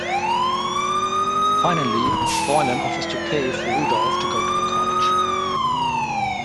Finally Boylan offers to pay for Rudolph to go to college.